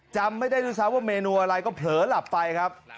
จำไม่ได้ด้วยซ้ำว่าเมนูอะไรก็เผลอหลับไปครับ